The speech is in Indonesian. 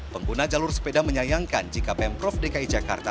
pengguna jalur sepeda menyayangkan jika pemprov dki jakarta